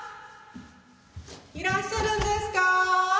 いらっしゃるんですか？